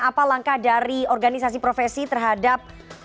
apa langkah dari organisasi profesi terhadap